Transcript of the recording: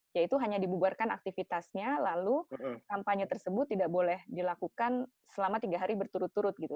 yaitu hanya dibubarkan aktivitasnya lalu kampanye tersebut tidak boleh dilakukan selama tiga hari berturut turut gitu